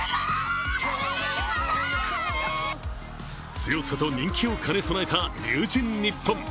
強さと人気を兼ね備えた龍神ＮＩＰＰＯＮ。